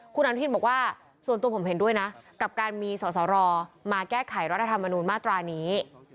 คุณอนุทินบอกว่าส่วนตัวผมเห็นด้วยนะกับการมีสอสรมาแก้ไขรัฐธรรมนูญมาตรานี้